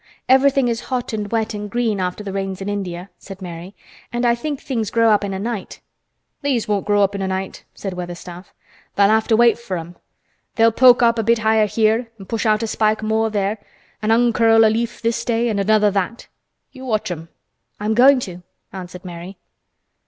Everything is hot, and wet, and green after the rains in India," said Mary. "And I think things grow up in a night." "These won't grow up in a night," said Weatherstaff. "Tha'll have to wait for 'em. They'll poke up a bit higher here, an' push out a spike more there, an' uncurl a leaf this day an' another that. You watch 'em." "I am going to," answered Mary.